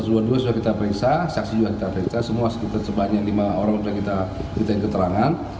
dua puluh dua sudah kita periksa saksi juga kita periksa semua sekitar sebanyak lima orang sudah kita minta keterangan